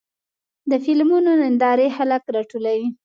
د فلمونو نندارې خلک راټولوي.